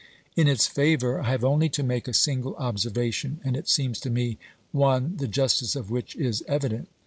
In its favour I have only to make a single observation, and it seems to me one the justice of which is evident.